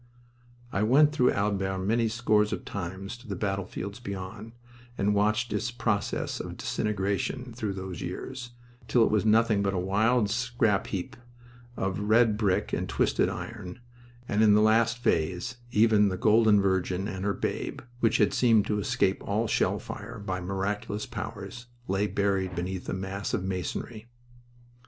I went through Albert many scores of times to the battlefields beyond, and watched its process of disintegration through those years, until it was nothing but a wild scrap heap of read brick and twisted iron, and, in the last phase, even the Golden Virgin and her Babe, which had seemed to escape all shell fire by miraculous powers, lay buried beneath a mass of masonry.